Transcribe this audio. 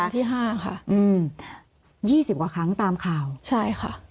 ที่ห้าค่ะอืมยี่สิบกว่าครั้งตามข่าวใช่ค่ะ